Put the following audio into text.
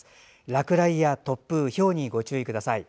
落雷や突風ひょうにご注意ください。